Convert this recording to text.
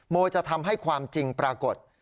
โมจะทำให้ความจริงปรากฏ